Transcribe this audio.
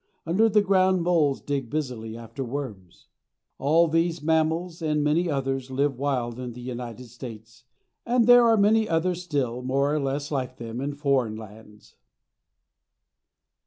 Under the ground moles dig busily after worms. All these mammals and, many others live wild in the United States, and there are many others still, more or less like them, in foreign lands.